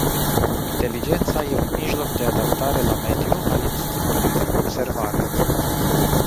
Inteligența e un mijloc de adaptare la mediu al instinctului de conservare.